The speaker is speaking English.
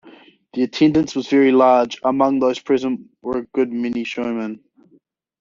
The attendance was very large; among those present were a good many showmen.